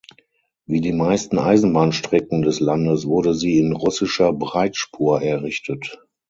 Wie die meisten Eisenbahnstrecken des Landes wurde sie in russischer Breitspur errichtet.